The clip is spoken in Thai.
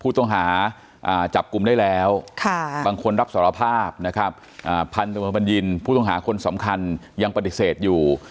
ผู้ต้องหาจับกลุ่มได้แล้วบางคนรับสารภาพนะครับพันธบทบัญญินผู้ต้องหาคนสำคัญยังปฏิเสธอยู่